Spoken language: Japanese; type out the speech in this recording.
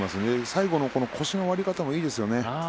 最後、腰の割り方がいいですね。